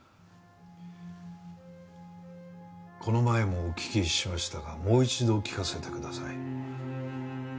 この前もお聞きしましたがもう一度聞かせてください。